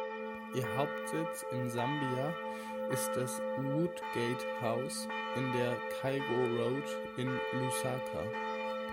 Ihr Hauptsitz in Sambia ist das Woodgate House in der Cairo Road in Lusaka.